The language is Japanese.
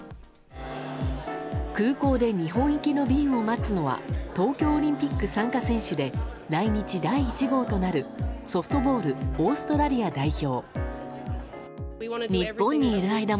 空港で日本行きの便を待つのは東京オリンピック参加選手で来日第１号となるソフトボールオーストラリア代表。